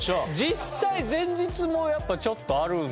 実際前日もやっぱちょっとあるんですか？